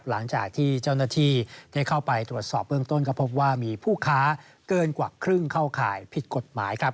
หลังจากที่เจ้าหน้าที่ได้เข้าไปตรวจสอบเบื้องต้นก็พบว่ามีผู้ค้าเกินกว่าครึ่งเข้าข่ายผิดกฎหมายครับ